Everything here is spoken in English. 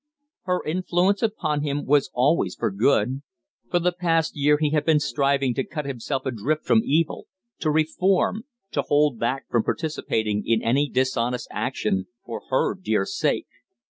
Her influence upon him was always for good. For the past year he had been striving to cut himself adrift from evil, to reform, to hold back from participating in any dishonest action for her dear sake.